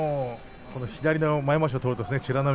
左の前まわしを取ると美ノ